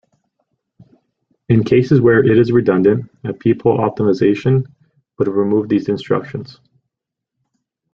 In cases where it is redundant, a peephole optimization would remove these instructions.